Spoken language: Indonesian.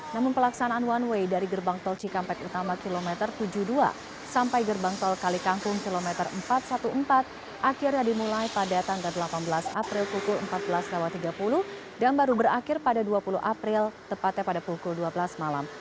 namun pelaksanaan one way dari gerbang tol cikampek utama kilometer tujuh puluh dua sampai gerbang tol kalikangkung kilometer empat ratus empat belas akhirnya dimulai pada tanggal delapan belas april pukul empat belas tiga puluh dan baru berakhir pada dua puluh april tepatnya pada pukul dua belas malam